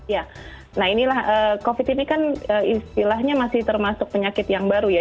ya nah inilah covid ini kan istilahnya masih termasuk penyakit yang baru ya